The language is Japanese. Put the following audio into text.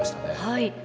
はい。